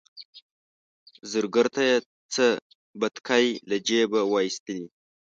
زرګر ته یې څه بتکۍ له جیبه وایستلې.